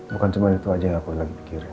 bukan cuman itu aja yang aku lagi mikirin